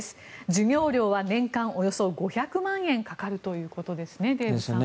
授業料は年間およそ５００万円かかるということですね、デーブさん。